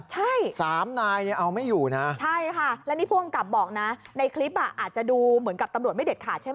ใช่ใช่ค่ะแล้วนี่ผู้กำกับบอกนะในคลิปอาจจะดูเหมือนกับตำรวจไม่เด็ดขาด